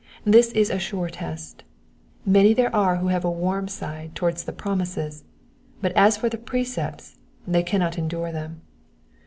This is a sure test : many there are who have a warm side towards the promises, but as for the precepts, they cannot endure them.